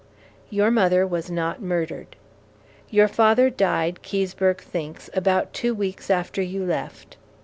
Your mother was not murdered. Your father died, Keseberg thinks, about two weeks after you left.